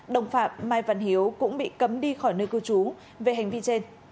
đồng phạm mai văn hiếu cũng bị cấm đi khỏi nơi cư trú về hành vi trên